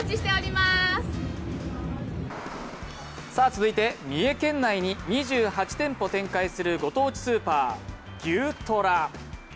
続いて、三重県内に２８店舗展開するご当地スーパー・ぎゅーとら。